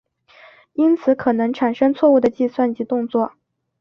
因此可能产生错误的计算及动作。